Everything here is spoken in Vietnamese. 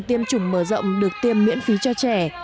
trong chương trình tiêm chủng mở rộng được tiêm miễn phí cho trẻ